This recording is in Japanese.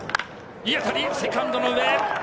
いい当たり、セカンドの上。